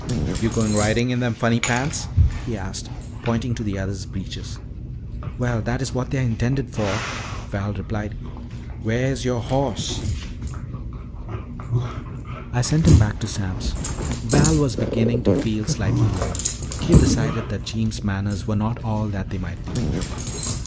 "Yo' goin' ridin' in them funny pants?" he asked, pointing to the other's breeches. "Well, that's what they are intended for," Val replied. "Wheah's youah hoss?" "I sent him back to Sam's." Val was beginning to feel slightly warm. He decided that Jeems' manners were not all that they might be.